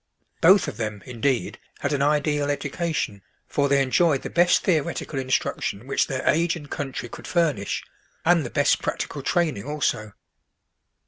Both of them, indeed, had an ideal education; for they enjoyed the best theoretical instruction which their age and country could furnish, and the best practical training also.